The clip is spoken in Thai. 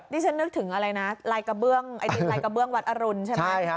นี่ฉันนึกถึงอะไรนะลายกระเบื้องไอดินลายกระเบื้องวัดอรุณใช่ไหม